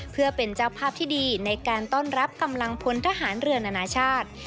เพื่อเป็นเจ้าภาพที่ดีในการต้อนรับกำลังพลทหารเรือนานาชาติ